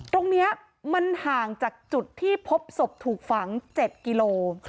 ตรงนี้มันห่างจากจุดที่พบศพถูกฝัง๗กิโล